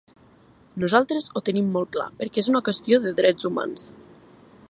Nosaltres ho tenim molt clar perquè és una qüestió de drets humans.